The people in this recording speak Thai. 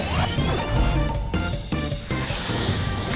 น้องซ่อมมาพอดีเลย